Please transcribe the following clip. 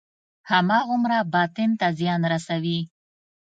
هماغومره باطن ته زیان رسوي.